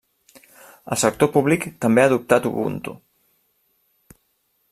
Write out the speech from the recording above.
El sector públic també ha adoptat Ubuntu.